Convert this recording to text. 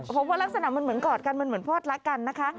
เพราะว่ารักษณะมันเหมือนกอดกันมันเหมือนพ่อรักกันนะคะ